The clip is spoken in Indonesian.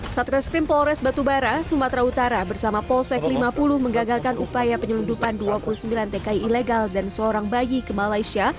satreskrim polres batubara sumatera utara bersama polsek lima puluh menggagalkan upaya penyelundupan dua puluh sembilan tki ilegal dan seorang bayi ke malaysia